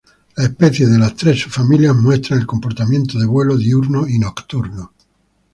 Las especies de las tres subfamilias muestran el comportamiento de vuelo diurno y nocturno.